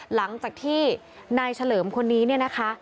หลังจากที่นายเฉลิมคนนี้เนี่ยนะคะ